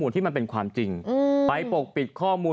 ที่มันเป็นความจริงไปปกปิดข้อมูล